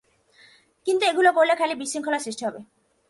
কিন্ত এগুলো করলে খালি বিশৃঙ্খলা সৃষ্টি হবে।